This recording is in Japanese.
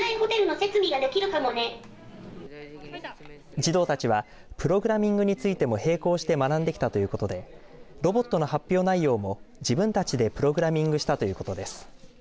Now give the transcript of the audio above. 児童たちはプログラミングについても並行して学んできたということでロボットの発表内容も自分たちでプログラミングしたということです。